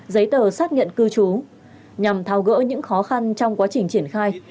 giấy tờ xác nhận cư trú nhằm thao gỡ những khó khăn trong quá trình triển khai